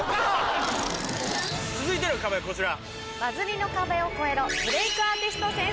続いての壁はこちら。